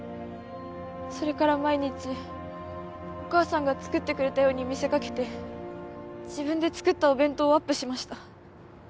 それから毎日お母さんが作ってくれたように見せかけて自分で作ったお弁当をアップしました